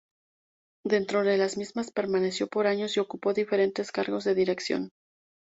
Dentro de las mismas, permaneció por años y ocupó diferentes cargos de dirección.